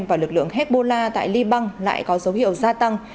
và lực lượng hezbollah tại liban lại có dấu hiệu gia tăng